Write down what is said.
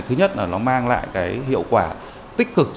thứ nhất là nó mang lại cái hiệu quả tích cực